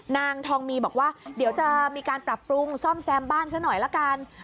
นางทองมีบอกว่าเดี๋ยวจะมีการปรับปรุงซ่อมแซมบ้านซะหน่อยละกัน